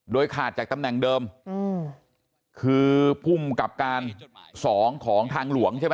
โดยขาดจากตำแหน่งเดิมอืมคือภูมิกับการสองของทางหลวงใช่ไหม